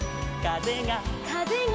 「かぜが」